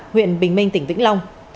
huyện bình minh tỉnh vĩnh long